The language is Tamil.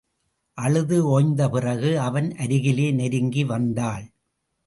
அழுது ஓய்ந்த பிறகு, அவன் அருகிலே நெருங்கி வந்தாள்.